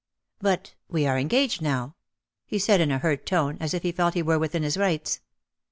"But, we are engaged now," he said in a hurt tone as if he felt he were within his rights.